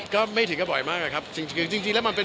ก็ไม่ถึงก็บ่อยมากอะครับจริงจริงแล้วมันเป็น